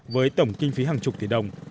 với tổng kinh phí hàng chục tỷ đồng